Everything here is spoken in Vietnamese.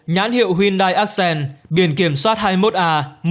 nhãn hiệu hyundai accent biển kiểm soát hai mươi một a